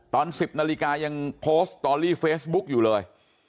ตอน๑๐นาฬิกายังโพสต์สตอรี่เฟซบุ๊กอยู่เลย